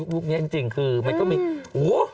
ลูกนี้จริงคือมันก็มีอู้โห